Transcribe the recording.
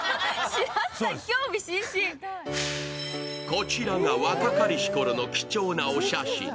こちらが若かりし頃の貴重なお写真。